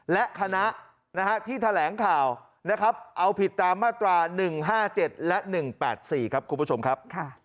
และคณะที่แถลงข่าวนะครับเอาผิดตามมาตรา๑๕๗และ๑๘๔ครับคุณผู้ชมครับ